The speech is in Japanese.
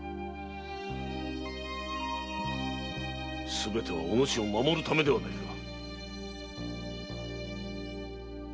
すべてはお主を守るためではないか。